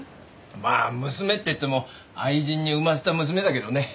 まあ娘って言っても愛人に産ませた娘だけどね。